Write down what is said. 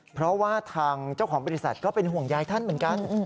เพราะว่าทางเจ้าของบริษัทก็เป็นห่วงยายท่านเหมือนกัน